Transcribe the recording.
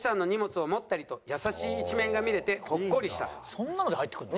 そんなので入ってくんの？